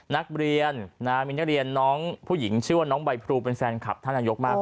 นักเรียนมีนักเรียนน้องผู้หญิงชื่อว่าน้องใบพลูเป็นแฟนคลับท่านนายกมาก